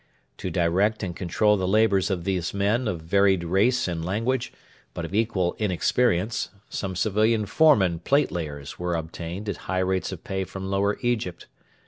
To direct and control the labours of these men of varied race and language, but of equal inexperience, some civilian foremen platelayers were obtained at high rates of pay from Lower Egypt.